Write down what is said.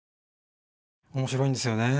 面白いんですよね。